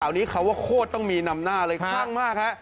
อันนี้คำว่าโคตรต้องมีนำหน้าเลยคลั่งมากฮะ